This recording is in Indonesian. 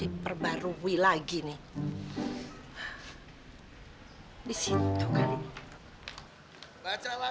kayaknya tau baru di areas perlindungan auch nya